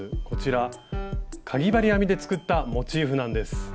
こちらかぎ針編みで作ったモチーフなんです。